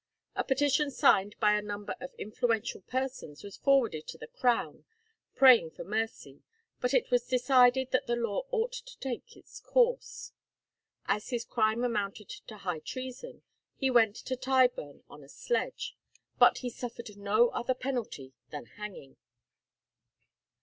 A petition signed by a number of influential persons was forwarded to the Crown, praying for mercy, but it was decided that the law ought to take its course. As his crime amounted to high treason, he went to Tyburn on a sledge, but he suffered no other penalty than hanging.